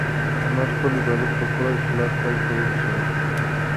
انا خپل عبادت په پوره اخلاص پای ته ورساوه.